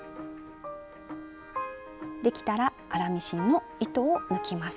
できたら粗ミシンの糸を抜きます。